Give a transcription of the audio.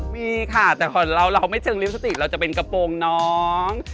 มีค่ะแต่เราไม่เชิงลิปสติกเราจะเป็นกระโปรงน้อง